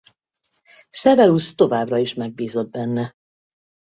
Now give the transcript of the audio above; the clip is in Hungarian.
Severus továbbra is megbízott benne.